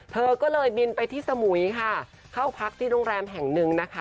เธอก็เลยบินไปที่สมุยค่ะเข้าพักที่โรงแรมแห่งหนึ่งนะคะ